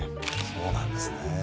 そうなんですね。